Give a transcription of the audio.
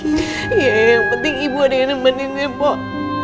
iya yang penting ibu ada yang menemani pak